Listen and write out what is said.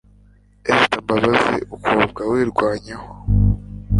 Esther Mbabazi ukobwa wirwanyeho